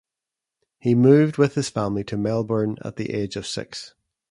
He moved with his family to Melbourne at the age of six.